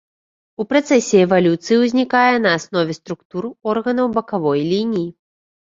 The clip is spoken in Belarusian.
У працэсе эвалюцыі ўзнікае на аснове структур органаў бакавой лініі.